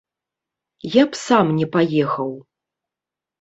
Я б сам не паехаў!